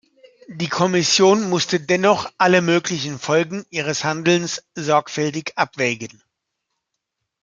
Die Kommission musste dennoch alle möglichen Folgen ihres Handelns sorgfältig abwägen.